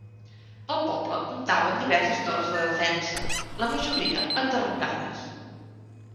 El poble comptava amb diverses torres de defensa, la majoria enderrocades.